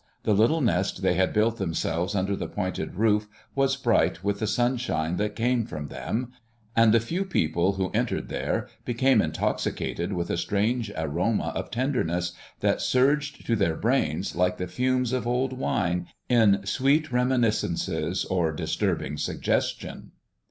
The little nest they had built themselves under the pointed roof was bright with the sunshine that came from them; and the few people who entered there became intoxicated with a strange aroma of tenderness that surged to their brains like the fumes of old wine, in sweet reminiscences or disturbing suggestions.